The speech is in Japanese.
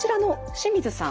清水さん